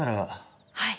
はい。